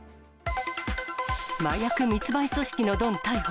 麻薬密売組織のドン逮捕。